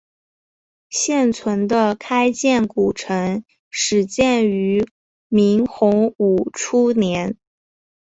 现存的开建古城始建于明洪武初年。